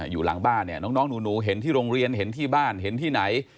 อยู่หลังบ้านเนี่ยน้องหนูเห็นที่โรงเรียนเห็นที่บ้านเห็นที่ไหน